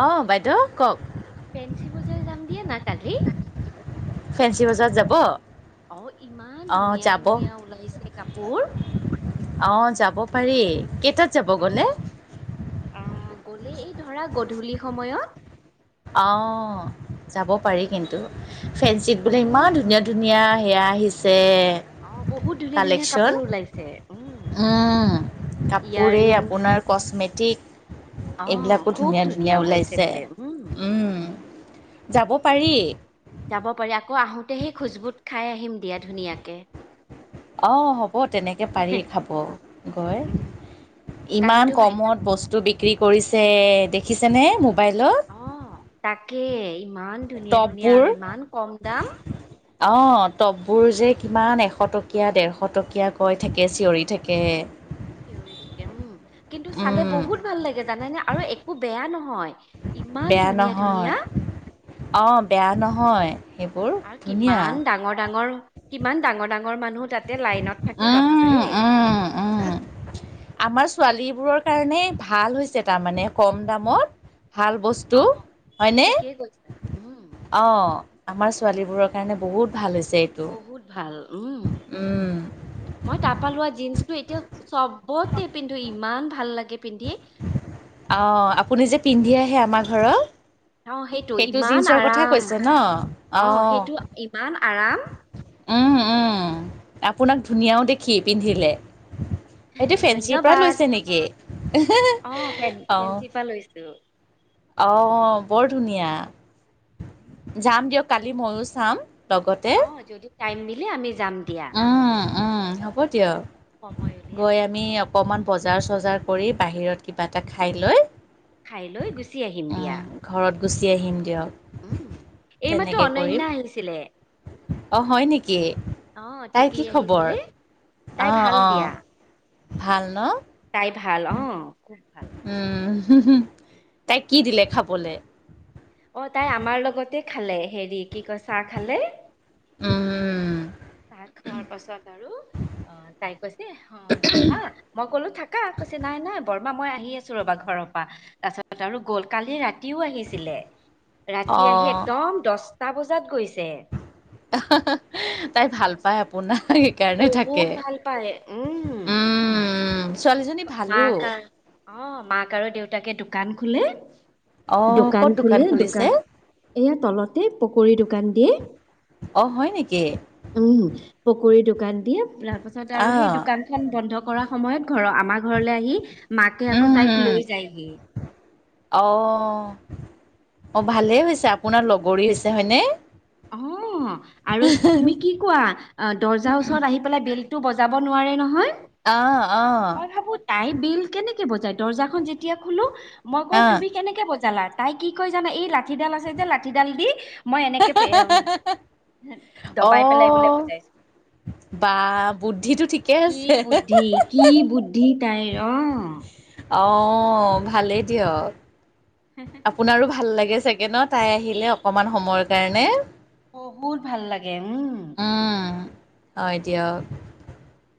অহ বাইদেউ কওঁক। ফেঞ্চি বজাৰ যাম দিয়া না কালি। ফেঞ্চি বজাৰ যাব অ ইমান অঁ ধুনীয়া যাব ধুনীয়া ওলাইছে কাপোৰ। অঁ যাব পাৰি কেইটাত যাব গ'লে অহ অহ গলে এই ধৰা গধূলি সময়ত। অ যাব পাৰি কিন্তু ফেঞ্চিত বোলে ইমান বহুত ধুনীয়া ধুনীয়া সেয়া আহিছে অ বহুত ধুনীয়া ধুনীয়া কালেকচন কাপোৰ ওলাইছে উম উমম ইয়াৰ কাপোৰে ৰিংছ আপোনাৰ কচমেটিক। অ এইবিলাকো খুব ধুনীয়া ধুনীয়া ওলাইছে। বোলে উম উম যাব পাৰি। যাব পাৰি আকৌ আহোতে সেই খোজবুট খাই আহিম দিয়া ধুনীয়াকে। অহ অহ তেনেকৈ পাৰি খাব গৈ উম ইমান কালিতো ভাইটি কমত বস্তু বিক বিক্ৰী কৰিছে দেখিছানে? মোক অ তাকেই ইমান ধুনীয়া ধুনীয়া আৰু ইমান কম দাম। অঁ টপবোৰ যে কিমান এশ টকীয়া ডেৰশ টকীয়া কৈ থাকে চিঞৰি থাকে। চিঞৰি থাকে উম কিন্তু চালে উম, বহুত ভাল লাগে জানে নে আৰু একো বেয়া নহয়। ইমান বেয়া ধুনীয়া নহয় ধুনীয়া অ বেয়া নহয়। সেইবোৰ আৰু ধুনীয়া কিমান ডাঙৰ ডাঙৰ কিমান ডাঙৰ ডাঙৰ। ঙৰ মানুহ তাতে লাইনত থাকে উম, বাপৰে। উম, উম। আমাৰ ছোৱালীবোৰৰ কাৰণে ভাল হৈছে তাৰমানে কম দামত। ভাল বস্তু অ হয়নে ঠিকেই কৈছা উম অ। আমাৰ ছোৱালীবোৰৰ কাৰণে বহুত ভাল হৈছে। এইটো বহুত ভাল উম উম, মই তাৰপৰা লোৱা জীন্সটো এতিয়া চব। বট পিন্ধো ইমান ভাল লাগে। পিন্ধি অহ আপুনি যে পিন্ধি আহে আমাৰ ঘৰত। অ সেইটো ইমান জীন্চৰ কথ আৰাম কৈছে ন অ সেইটো অহ। ইমান আৰাম উম উম আপোনাক ধুনীয়াও দেখি পিন্ধিলে। এইটো ফেঞ্চিৰ পৰা ধন্যবাদ লৈছে নেকি? হ হ অ ফেন অহ। ফেঞ্চিৰ পৰা লৈছো অ বৰ ধুনীয়া যাম দিয়ক কালি ময়ো চাম। লগতে অ যদি টাইম মিলে আমি যাম দিয়া উম উম হব দিয়ক। সময় ওলাই। অকণমান বজাৰ চজাৰ কৰি বাহিৰত কিবা এটা খাই লৈ। খাই লৈ গুচি আহিম দিয়া উম, ঘৰত গুচি আহিম দিয়ক উম। এইমাত্ৰ তেনেকৈ কৰিম। অনন্যা আহিছিলে অ হয় নেকি? নেকি অ' তাইৰ টিকলি কি খবৰ আহিছিলে তাই অ ভাল অ। দিয়া। ভাল ন। তাই ভাল অহ খুব ভাল। Home home! তাইক কি দিলে খাবলৈ? অ তাই আমাৰ লগতে খালে হেৰি কি কয় চাহ খালে। উম, চাহ খোৱাৰ পাছত আৰু অ তাই কৈছে অ বৰ্মা মই কলো থাকা। নাই নাই বৰ্মা মই আহি আছো ৰবা ঘৰৰ পৰা তাৰ পাছত আৰু গ'ল কালি ৰাতি। ৰাতিও আহিছিলে ৰাতি আহি অ'। একদম দহটা বজাত গৈছে। অহ অহ হ তাই ভাল পাই আপোনাক। কাৰণে থাকে বহুত ভাল পায় উম। উম। ছোৱালীজনী ভালো মাক আৰু অ মাক আৰু দেউতাকে দোকান খোলে। অ ক'ত দোকান খোলে খুলিছে দোকান এই তলতে পকৰী দোকান দিয়ে। অঁ হয় নেকি? উম পকৰী দোকান দি তাৰ পাছত আৰু সেই আহ দোকানখন বন্ধ কৰা। সময়ত ঘৰৰ আমাৰ ঘৰলৈ আহি। মাকে উম আকৌ তাইক হম লৈ যায়হি। অ অ ভালেই হৈছে আপোনাৰ লগৰী হৈছে হয়নে। অ আৰু তুমি কি কোৱা দৰ্জাৰ ওচৰত আহি পেলাই বেল। বজাব নোৱাৰে নহয় আহ আহ মই ভাবো তাই বিল কেনেকে। বজাই দৰ্জাখন যেতিয়া খোলো মই কউ আহ তুমি কেনেকে বজালা তাই কি কয় জানা এই লা। লাঠিডাল আছে যে লাঠিডাল দি। মই হ এনেকে হ হ হ দবাই হ‌ পেলাইবলে হ বুজাইছে। হ অ। বা বুদ্ধিটো ঠিক। কি বুদ্ধি কি বুদ্ধি তাইৰ অ। অ ভালেই দিয়ক আপোনাৰো ভাল লাগে। ছেকেণ্ডত তাই আহিলে অকমান সময়ৰ কাৰণে। বহুত ভাল লাগে উম। উম হয় দিয়া ক।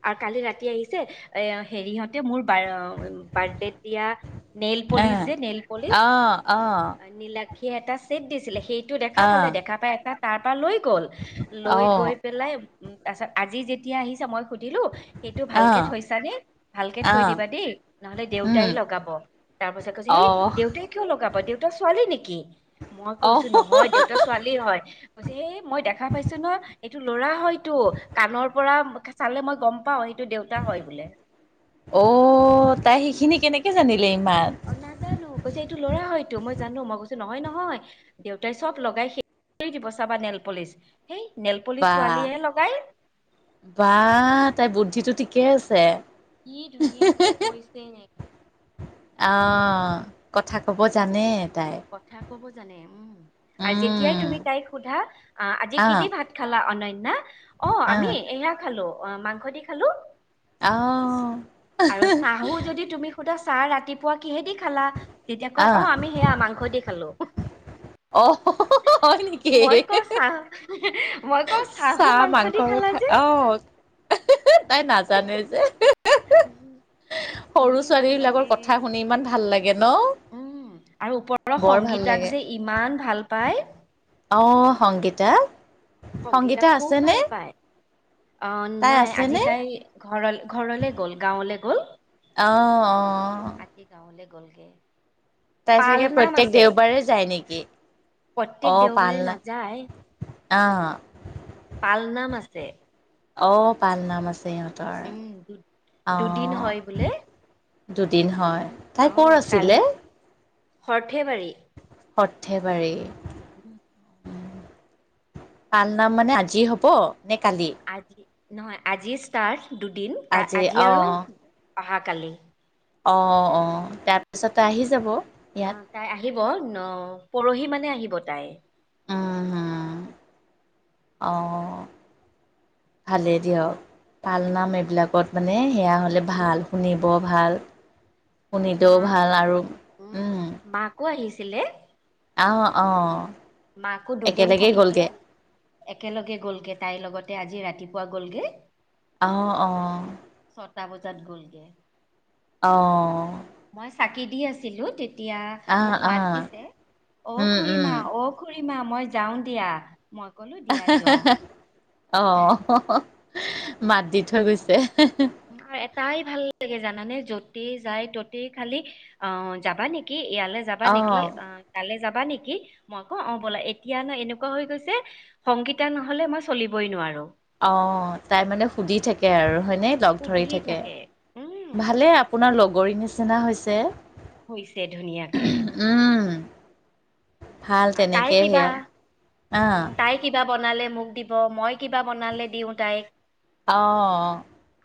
আৰু কালি ৰাতি আহিছে এ হেৰিহঁতে মোৰ। বাৰ্থডেত দিয়া নেল পলিচ আহ যে নেল পলিচ আহ নীলাক্ষীয়ে এটা চেট দিছিলে সেইটো আহ দেখা পালে দেখা পাই এটা তাৰ লৈ গল, লৈ আহ অ গৈ পেলাই তাৰপাছত আজি যেতিয়া আহি মই দিলো সেইটো ভালকে আহ থৈছানে ভালকে থৈ আহ দিবা দেই নহলে দেউতাই উম লগাব তাৰ পাছত কৈছে সেই অহ দেউতাই কিয় লগাব দেউতা ছোৱালী নেকি কি মই কৈছো অহ নহয় দেউতা ছোৱালী হয় কৈছে এই মই দেখা পাইছো ন এইটো ল'ৰা হয়তটো কাণৰ পৰা চালে মই গম পাওঁ টো দেউতা হয় বোলে অ তাই সেইখিনিক অ নাজানো কৈছে এইটো লৰা হয়তো মই জানো মই কৈছো নহয় নহয় দেউতাই চব লগাই শেষ দিব চাবা নেল পলিচ। সেই নেল পলিচ বা ছোৱালীয়ে লগাই বা তাই বুদ্ধিটো ঠিকেই আছে। কি ধুনিয়াকে কৈছে। অ কথা ক'ব জানে তাই। কথা ক'ব জানে উম আৰু যেতিয়াই উম তুমি তাইক সোধা আহ আজি কি দি ভাত খালা অনয় ন্যা অ আহ আমি এয়া খালো অ মাংস দি খালো। আহ আৰু চাহো যদি তুমি সুধা চাহ ৰাতিপুৱা কিহেদি খালা তেতিয়া কয় অ আহ আমি সেয়া মাং দি খালো অ হয় নেকি মই ক চাহ মই ক চাহ মাংসৰে খাই অহ তাই নাজানে যে উম সৰু ছোৱালী বিলাকৰ কথা শুনি ইমান ভাল লাগে ন উম আৰু ওপৰৰ বৰ ভাল সংগীতাক লাগে যে ইমান ভাল পায়। অঁ সংগীতা সংগীতা খুব ভাল পায় অ তাই নাই আজি আছেনে তাই ঘৰ ঘৰলে গ'ল গাঁৱলে গ'ল অ অ আজি গাঁৱলে গ'লগে তাই পাল চাগে নাম প্ৰত্যেক আছে দেওবাৰে যায় নেকি? প্ৰত্যেক অ দেওবাৰে পালনা অহ পালনাম আছে আহ পালনাম আছে ইহঁতৰ উম দু দুদিন হয় বোলে আহ। দুদিন হয় অ তাই ক'ৰ কালি আছিলে। সৰ্থেবাৰী। সৰ্থেবাৰী। উম পাল নাম মানে আজিয়ে হব নে কালি? আজি নহয় আজি ষ্টাৰ দুদিন আজি আৰু অহা কালি অ অ তাৰপিছতে আহি যাব ইয়াত আহ তাই আহিব ন পৰহি মানে আহিব তাই। আহঁ ভালেই দিয়ক ভাল নাম এইবিলাকত মানে সেয়া হ'লে উম ভাল শুনিব ভাল শুনিলেও মাক ভাল আৰু উম ছিলে অঁ অঁ মাকো দুদিন থাকি পেলাই একেলগে গ'লগে তাইৰ লগত। তে আজি ৰাতিপুৱা গ'লগে অহ অঁ। সাতটা বজাত গ'লগে। অ। মই চাকি দি আছিলো। দিয়া আহ মোক মাত আহ দিছে অ উম উম খুুৰীমা অ খুুৰীমা মই যাওঁ দিয়া। মই ক'লোঁ দিয়া যোৱা। অ মাত দি থৈ গৈছে। আৰু এটাই ভাল লাগে জানানে যতে যাই ততে খালি অ যাবা নেকি। কি ইয়ালৈ যাবা নেকি অঁ অ কাললৈ যাবা নেকি। কি মই আক অ ব'লা এতিয়া ন এনেকুৱা হৈ গৈছে সংগীতা নহলে মই চলিবই নোৱাৰো। অ তাই মানে সুধি থাকে আৰু। নে লগ সুধি ধৰি থাকে উম ভালে আপোনাৰ লগৰী নিচিনা হৈছে। ই হৈছে ধুনীয়াকে। উম ভাল আৰু তাই তেনেকে কিবা সেয়া আহ উ তাই কিবা বনালে। মোক দিব মই কিবা বনালে দিওঁ তাইক। অহ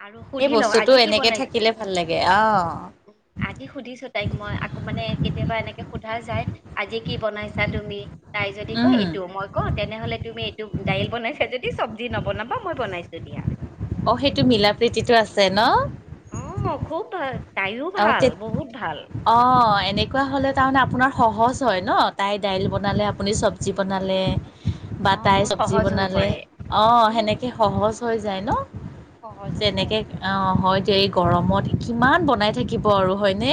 আৰু সেই সুধি লওঁ বস্তুটো আজি এনেকে থাকিলে ভাল লাগে অহ। উ আজি সুধিছো তাইক মই আকৌ মানে কেতিয়াবা এনেক। সোধা যায় আজি কি বনাইছা তুমি। তাই যদি কয় উম এইটো মই কওঁ তেনেহলে তুমি এইটো দাইল বনাইছা যদি। চব্জি নবনাবা মই বনাইছো দিয়া। অ সেইটো মিলা প্ৰীতিতটো আছে ন। অ খুব ভাল তাইও অহ ভাল তে বহুত ভাল অ এনে। এনেকুৱা হ'লে তাৰমানে আপোনাৰ সহজ হয় ন তাই দাইল বনালে আপুনি চব্জি বনালে। অ বাতাই মোৰ চব্জি সহজ হৈ বনালে পৰে অ উম সেনেকে সহজ হৈ যায় ন। সহজ হৈ তেনেকে যায় আহ হয় দ এই গৰমত কিমান বনাই। হয় নে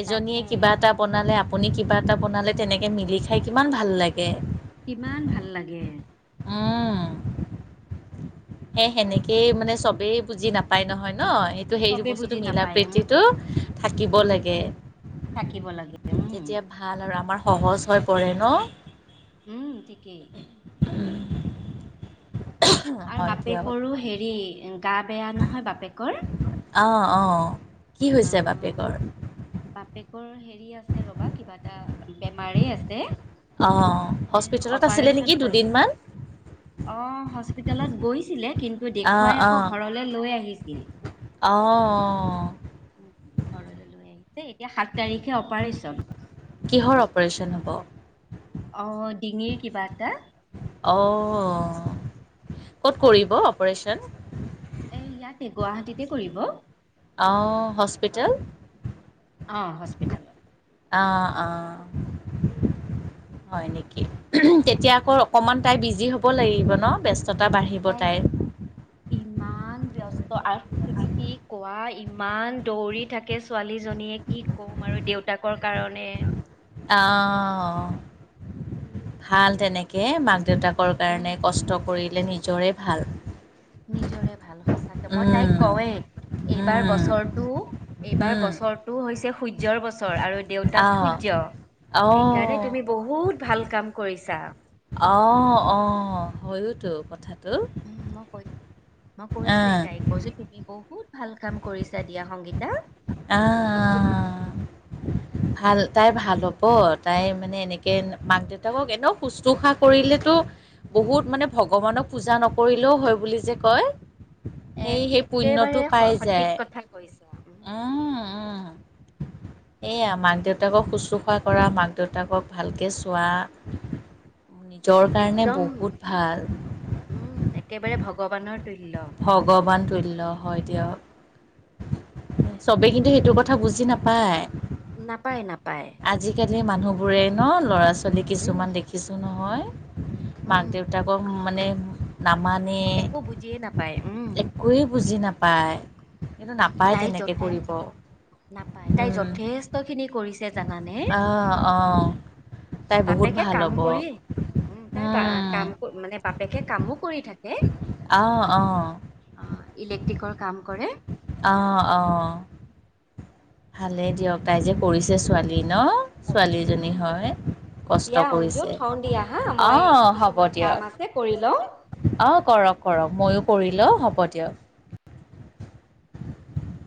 এজনীয়ে তাকে কিবা এটা বনালে। আপুনি কিবা এটা বনালে তেনেকৈ মিলি খাই কিমান ভাল লাগে। কিমান ভাল লাগে। অহঁ। সে সেনেকেই মানে চবেই বুজি নাপায় নহয়। ন সেইটো সেইটো চবে বস্তুটো বুজি মিল নাপায় উম প্ৰীতিতটো থাকিব লাগে। থাকিব লাগে উম তেতিয়া ভাল আৰু আমাৰ সহজ হৈ পৰে ন। উম ঠিকেই। উম। আৰু বাপেকৰো হেৰি গা বেয়া নহয় বাপেকৰ। অঁ অঁ কি হৈছে আহ বাপেকৰ। আ ৰ'বা কিবা এটা বেমাৰি আছে। অ এ হস্পিতেলত আছিলে অপাৰেচন নেকি কৰি দুদিনমান। অ হস্পিতেলত গৈছিলে কিন্তু। তোক অঁ দেখুৱাই আকৌ অঁ ঘৰলৈ লৈ আহিছিল। অঁ ঘৰলৈ লৈ আহিছে এতিয়া সাত তাৰিখে অপাৰেচন। কিহৰ অপাৰেচন হ'ব। অ ডিঙিৰ কিবা এটা। অঁ ক'ত কৰিব অপাৰেচন। এ ইয়াতে গুৱাহাটীতে কৰিব। অঁ হস্পিটেল। অ হস্পিতেলত অ অ হয় নেকি। এতিয়া আকৌ অকণমান তাই বিজি হ'ব লাগিব ন ব্যস্ত। তাই ইমান ব্যস্ত। ত তুমি কি কোৱা ইমান দৌৰি থাকে ছোৱালীজনীয়ে কি কম আৰু দেউতাক। বৰ কাৰণে। আহ ভাল তেনেকে মাক দেউতাক উম, কাৰণে কষ্ট কৰিলে নিজৰে ভাল। নিজৰে ভাল সচাকে মই তাইক কৱে এইবাৰ বছৰটো এইবাৰ বছৰটো হৈছে সূৰ্যৰ বছৰ আৰু দেউতাক সূৰ্য সেইকাৰণে অঁ অঁ তুমি বহুত ভাল কাম কৰিছা। অ অ হয়তো কথাত উম মই কৈছো মই আ, কৈছো তাইক এক বজো তুমি বৌ বহুত ভাল কাম কৰিছা দিয়া সংগীতা আহ আহ। ভাল তাই ভাল হব তাই মানে এনেকে মাক দেউতাকক এনে শুশ্ৰুষা কৰিলেতো বহুত মানে ভগৱানক পূজা নকৰিলেও হয় বুলি যে কয়, সেই এক সেই একেবাৰে পুণ্যটো পাই স- সঠিক যায় কথা কৈছা। উম উ [inaudible] এইয়া মাক দেউতাকক শুশ্ৰূষা কৰা মাক দেউতাকক ভালকে চোৱা। নিজৰ কাৰণে একদম বহুত উম, একেবাৰে ভাল ভগৱানৰ তুল্য। ভগৱান তুল্য হয় দিয়ক। চবে কিন্তু সেইটো কথা বুজি নাপায়। নাপায় নাপায়। আ মানুহ বোৰে ন ল'ৰা ছোৱালী উম কিছুমান দেখিছো নহয়। মাক উম দেউতাকৰ মানে মানে একো বুজিয়ে নাপায় উম একোৱেই বুজি নাপায়। কিন্তু নাপায় তাই তেনেকে যথে কৰিব। নাপায় তাই উম, যথেষ্ট খিনি কৰিছে জানানে? অঁ অঁ তাই বহুত বাপেকে ভাল কাম হ'ব কৰি উম তাই বা উম, কাম মানে বাপেকে কামো কৰি থাকে। অঁ অঁ ইলেক্ট্ৰিকৰ কাম কৰে। আহ আহ ভালেই দিয়ক তাই যে কৰিছে ছোৱালী ন কৰিছে ছোৱালীজনী উম হয়। দিয়া কষ্ট অঞ্জু কৰিছে থওঁ দিয়া হা মই আহ হ'ব কিছুমান কাম দিয়ক। আছে কৰি লওঁ অ কৰক কৰক ময়ো কৰিলো হ'ব দিয়ক। [inaudible]